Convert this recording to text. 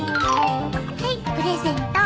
はいプレゼント。